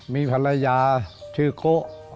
มีภรรยาชื่อโกะ